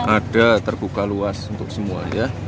ada terbuka luas untuk semua ya